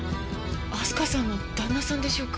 明日香さんの旦那さんでしょうか？